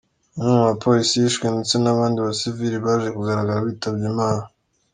Umwe mu bapolisi yishwe, ndetse n’abandi basivili baje kugaragara bitabye Imana.